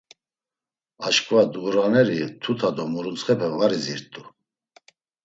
Aşǩva ndğuraneri tuta do muruntsxepe var izirt̆u.